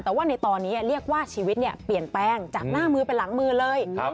แต่ว่าในตอนนี้เรียกว่าชีวิตเปลี่ยนแปลงจากหน้ามือไปหลังมือเลย